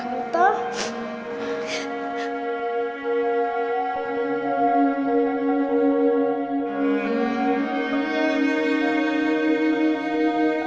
abi gue ulangi ke rumah